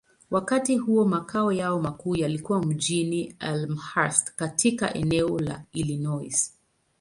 Wakati huo, makao yao makuu yalikuwa mjini Elmhurst, katika eneo la Illinois.